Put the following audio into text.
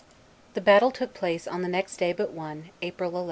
The battle took place on the next day but one, April 11.